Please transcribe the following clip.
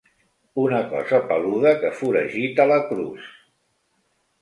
Una cosa peluda que foragita la Cruz.